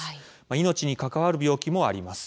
命に関わる病気もあります。